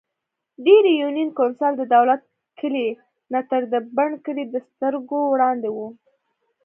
ډېرۍ يونېن کونسل ددولت کلي نه تر د بڼ کلي دسترګو وړاندې وو ـ